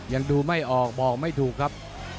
ยังดูไม่ออกบอกไม่ถูกครับ